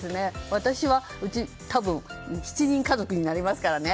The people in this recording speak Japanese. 私は７人家族になりますから。